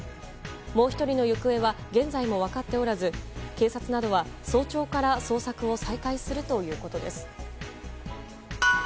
もう１人の行方は現在も分かっておらず警察などは早朝から捜索を再開するということです。